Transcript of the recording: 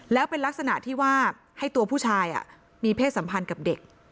แล้วเป็นลักษณะที่ว่าให้ตัวผู้ชายมีเพศสัมพันธ์กับเด็ก